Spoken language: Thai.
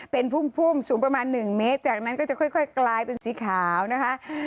เป็นพุ่มสูงประมาณ๑เมตรจากนั้นก็จะค่อยกลายเป็นสีขาวนะคะ